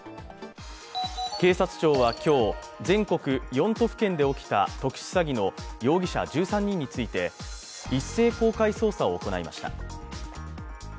警察庁は今日、全国４都府県で起きた特殊詐欺の容疑者１３人について一斉公開捜査を行いました。